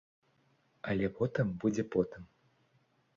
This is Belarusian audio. Але потым будзе потым.